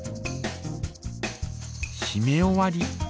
しめ終わり。